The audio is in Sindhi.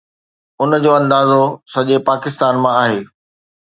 ان جو اندازو سڄي پاڪستان مان آهي.